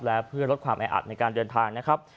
และเพื่อลดความแออัดในการเดินทางนะครับ